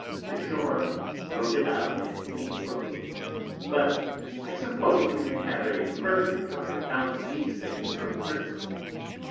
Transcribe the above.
The Shoram rode it out in King road; but I suppose you may have a perfecter account of these things from Bristol.